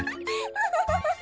ウフフフフ！